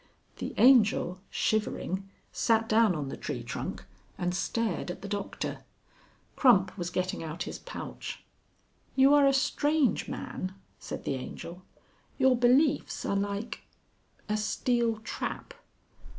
The Angel, shivering, sat down on the tree trunk and stared at the Doctor. Crump was getting out his pouch. "You are a strange man," said the Angel. "Your beliefs are like a steel trap."